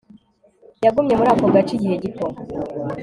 Yagumye muri ako gace igihe gito